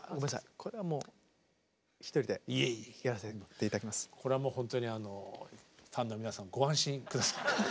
これはもうこれはもうほんとにあのファンの皆さんご安心下さい。